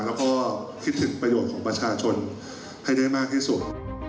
แล้วก็คิดถึงประโยชน์ของประชาชนให้ได้มากที่สุด